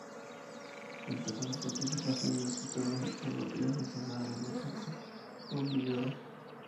Cuenta con la participación del escritor mexicano y aficionado del Necaxa, Juan Villoro.